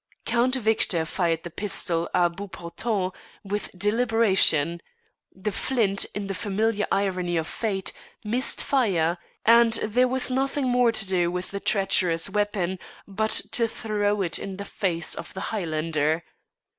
Count Victor fired the pistol à bout portant with deliberation; the flint, in the familiar irony of fate, missed fire, and there was nothing more to do with the treacherous weapon but to throw it in the face of the Highlander.